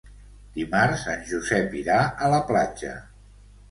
Dimarts en Josep irà a la platja.